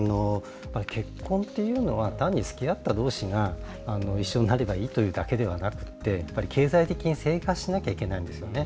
結婚というのは単につきあったどうしが一緒になればいいというわけではなくて、経済的に生活しなきゃいけないですよね。